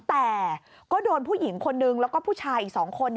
แต่ก็โดนผู้หญิงคนนึงแล้วก็ผู้ชายอีก๒คน